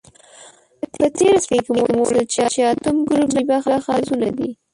په تیر څپرکي کې مو ولوستل چې اتم ګروپ نجیبه غازونه دي.